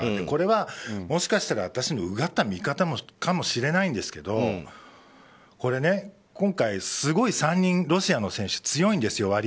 これはもしかしたら私もうがった見方かもしれないんですけど今回、すごい３人ロシアの選手強いんですよ。